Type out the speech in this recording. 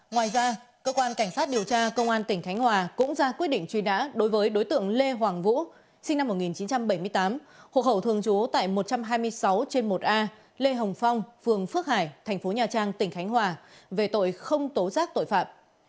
ngoài ra cơ quan cảnh sát điều tra công an tỉnh khánh hòa cũng ra quyết định truy nã đối với đối tượng lê hoàng vũ sinh năm một nghìn chín trăm bảy mươi tám hộ khẩu thường trú tại một trăm hai mươi sáu trên một a lê hồng phong phường phước hải thành phố nhà trang tỉnh khánh hòa về tội không tố giác tội phạm